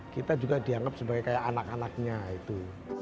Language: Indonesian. kita juga dianggap sebagai kayak anak anaknya itu